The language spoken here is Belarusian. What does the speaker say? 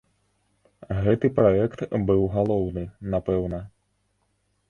Гэты праект быў галоўны, напэўна.